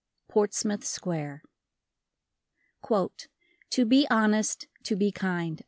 Portsmouth Square "To be honest, to be kind."